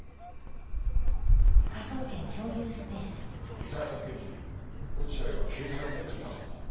遺体発見時落合は携帯を持っていなかった？